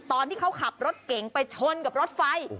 ตอนที่เขาขับรถเก่งไปชนกับรถไฟ